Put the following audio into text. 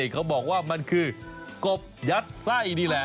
เขาบอกว่ามันคือกบยัดไส้นี่แหละ